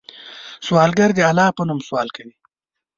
سوالګر د الله په نوم سوال کوي